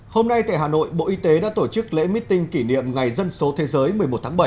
hôm nay tại hà nội bộ y tế đã tổ chức lễ meeting kỷ niệm ngày dân số thế giới một mươi một tháng bảy